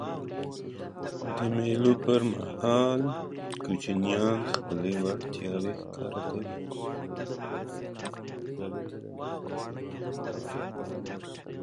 د مېلو پر مهال کوچنيان خپلي وړتیاوي ښکاره کوي.